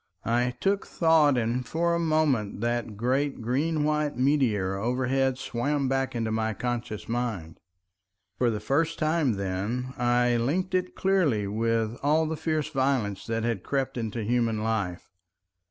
I took thought, and for a moment that great green white meteor overhead swam back into my conscious mind. For the first time then I linked it clearly with all the fierce violence that had crept into human life.